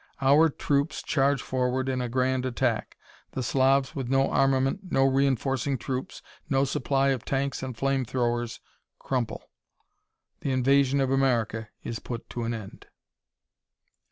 Our troops charge forward in a grand attack; the Slavs, with no armament, no reinforcing troops, no supply of tanks and flame throwers, crumple. The invasion of America is put to an end!"